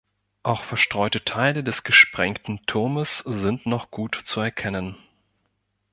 Auch verstreute Teile des gesprengten Turmes sind noch gut zu erkennen.